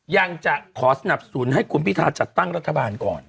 ยังจะขอสนับสนุนให้คุณพิทาจัดตั้งรัฐบาลก่อน